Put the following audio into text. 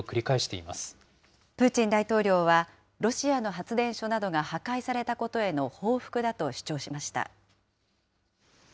プーチン大統領は、ロシアの発電所などが破壊されたことへの報復だと主張しました。